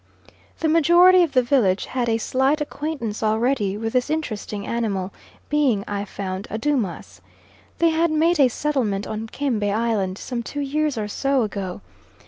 The majority of the village had a slight acquaintance already with this interesting animal, being, I found, Adoomas. They had made a settlement on Kembe Island some two years or so ago.